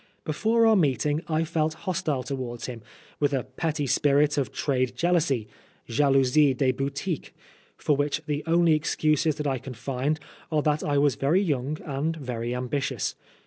Before our meeting I felt hostile towards him, with a petty spirit of trade jealousy, jalousie de boutique, for which the only excuses that I can find are that I was 19 Oscar Wilde very young and very ambitious.